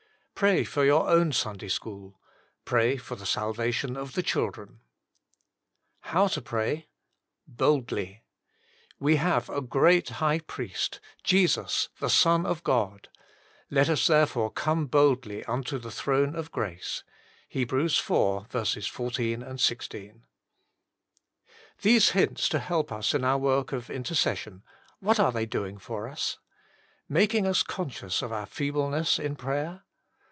Pray for your own Sunday school. Pray for the salvation of the children. now TO PEAT. "We have a great High Priest, Jesus the Son of God. Let us therefore come boldly unto the throne of grace." HEB. iv. 14, 16. These hints to help us in our work of intercession what are they doing for us ? Making us conscious of our feebleness in prayer?